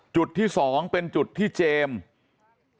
จุดที่๒เป็นจุดที่เจมส์